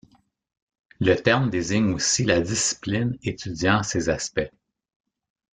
Le terme désigne aussi la discipline étudiant ces aspects.